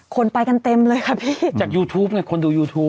คนไปกันเต็มเลยค่ะพี่จากยูทูปไงคนดูยูทูป